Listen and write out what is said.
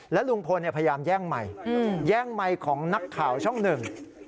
ลุงพลพยายามแย่งไมค์แย่งไมค์ของนักข่าวช่องหนึ่ง